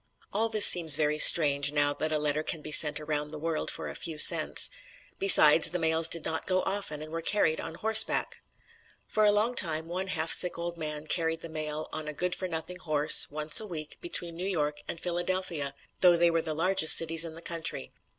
All this seems very strange now that a letter can be sent around the world for a few cents. Besides, the mails did not go often and were carried on horseback. For a long time one half sick old man carried the mail on a good for nothing horse, once a week, between New York and Philadelphia, though they were the largest cities in the country.